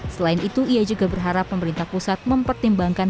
selain itu ia juga berharap pemerintah pusat mempertimbangkan